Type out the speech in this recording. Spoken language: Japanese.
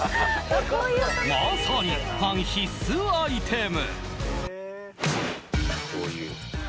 まさにファン必須アイテム。